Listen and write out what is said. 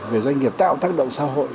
về doanh nghiệp tạo tác động xã hội